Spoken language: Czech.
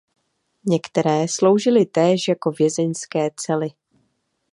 Některé sloužily též jako vězeňské cely.